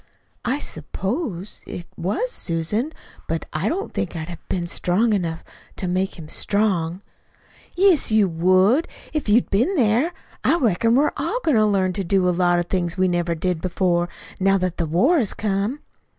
"I suppose it was, Susan; but I don't think I'd have been strong enough to make him strong." "Yes, you would, if you'd been there. I reckon we're all goin' to learn to do a lot of things we never did before, now that the war has come."